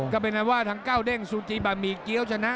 ก็เป็นแนว่าทั้งเก้าเด้งซูจิบามีเกี๊ยวชนะ